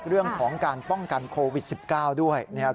เรื่องของการป้องกันโควิด๑๙ด้วยนะครับ